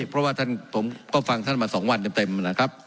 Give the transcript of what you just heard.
เพราะว่าท่านผมก็ฟังท่านมา๒วันเต็มนะครับ